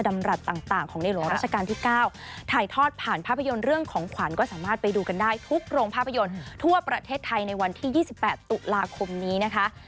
ดำรัฐต่างของในหลวงราชการที่๙ถ่ายทอดผ่านภาพยนตร์เรื่องของขวัญก็สามารถไปดูกันได้ทุกโรงภาพยนตร์ทั่วประเทศไทยในวันที่๒๘ตุลาคมนี้นะคะ